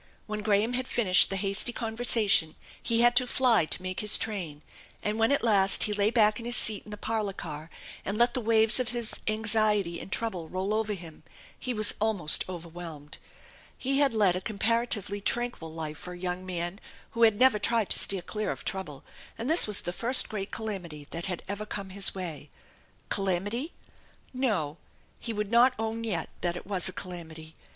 When Graham had finished the hasty conversation he had to fly to make his train, and when at last he lay back in his seat in the parlor car and let the waves of his anxiety and trouble roll over him he was almost overwhelmed. He had led a comparatively tranquil life for a young man who had never tried to steer clear of trouble, and this was the first great calamity that had ever come his way. Calamity? No, he would not own yet that it was a calamity.